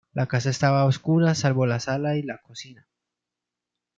La casa estaba a oscuras salvo la sala y la cocina.